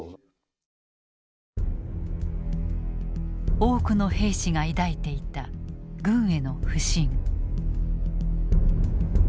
多くの兵士が抱いていた軍への不信。